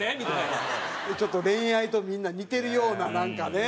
ちょっと恋愛とみんな似てるようななんかね。